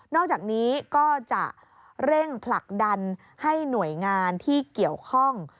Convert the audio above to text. อกจากนี้ก็จะเร่งผลักดันให้หน่วยงานที่เกี่ยวข้อง